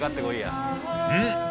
［うん。